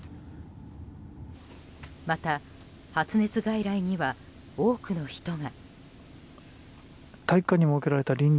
また、発熱外来には多くの人が。